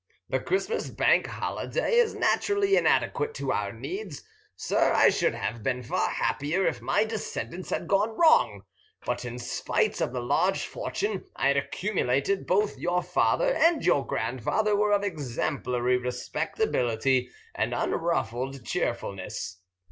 The Christmas Bank Holiday is naturally inadequate to our needs. Sir, I should have been far happier if my descendants had gone wrong; but in spite of the large fortune I had accumulated, both your father and your grandfather were of exemplary respectability and unruffled cheerfulness.